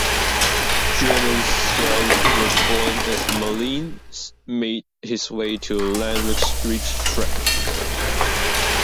German shells were falling as Malins made his way to Lanwick Street Trench.